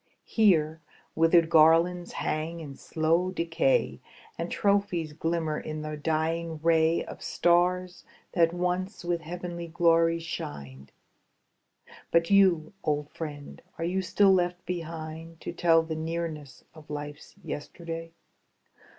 Here, withered garlands hang in slow decay. And trophies glimmer in the dying ray Of stars that once with heavenly glory shined. 280 THE FALLEN But you, old friend, are you still left behind To tell the nearness of life's yesterday?